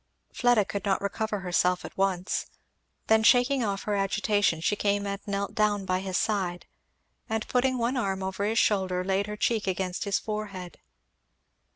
Fleda could not recover herself at once. Then shaking off her agitation she came and knelt down by his side and putting one arm over his shoulder laid her cheek against his forehead.